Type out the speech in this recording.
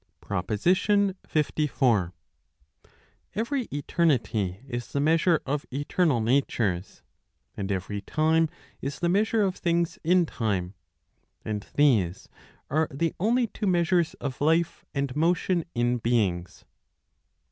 PROPOSITION LIV. Every eternity is the measure of eternal natures, and every time is the measure of things in time; and these are the only two measures of life and motion in beings.